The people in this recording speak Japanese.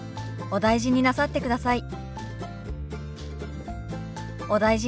「お大事になさってください」。